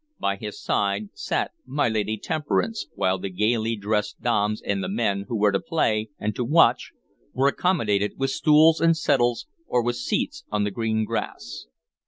By his side sat my Lady Temperance, while the gayly dressed dames and the men who were to play and to watch were accommodated with stools and settles or with seats on the green grass.